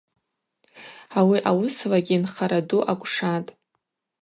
Ауи ауыслагьи нхара ду акӏвшатӏ.